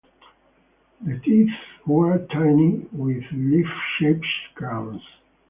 The teeth were tiny, with leaf-shaped crowns.